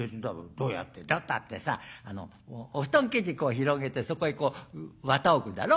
「どうやってってさお布団生地こう広げてそこへこう綿置くだろ。